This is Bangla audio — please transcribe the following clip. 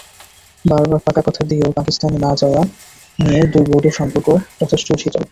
বারবার পাকা কথা দিয়েও পাকিস্তানে না-যাওয়া নিয়ে দুই বোর্ডের সম্পর্ক যথেষ্টই শীতল।